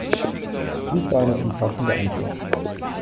Dies war eine umfassende Antwort.